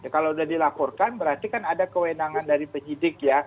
kalau sudah dilaporkan berarti kan ada kewenangan dari penyidik ya